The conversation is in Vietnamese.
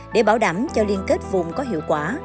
để bảo đảm cho liên kết vùng có hiệu quả